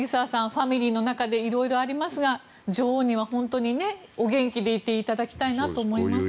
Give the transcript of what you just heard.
ファミリーの中でいろいろありますが女王には本当にお元気でいていただきたいと思います。